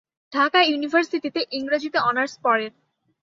ঢাকা ইউনিভার্সিটিতে ইংরেজিতে অনার্স পড়েন।